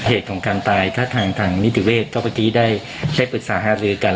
เหตุของการตายถ้าทางนิติเวศก็เมื่อกี้ได้ปรึกษาหารือกัน